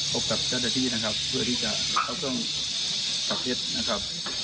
พบกับเจ้าหน้าที่นะครับเพื่อที่จะเข้าเครื่องจับเท็จนะครับ